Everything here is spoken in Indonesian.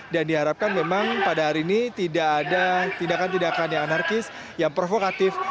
dan diharapkan memang pada hari ini tidak ada tindakan tindakan yang anarkis yang provokatif